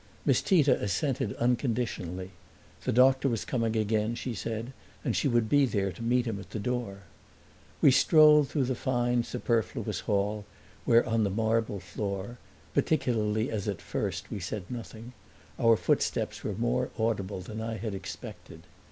Miss Tita assented unconditionally; the doctor was coming again, she said, and she would be there to meet him at the door. We strolled through the fine superfluous hall, where on the marble floor particularly as at first we said nothing our footsteps were more audible than I had expected.